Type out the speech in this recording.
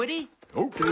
オッケー！